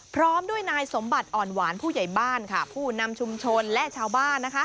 พร้อมด้วยนายสมบัติอ่อนหวานผู้ใหญ่บ้านค่ะผู้นำชุมชนและชาวบ้าน